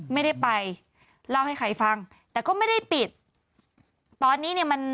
ไม่ได้ไปเล่าให้ใครฟังแต่ก็ไม่ได้ปิดตอนนี้เนี่ยมัน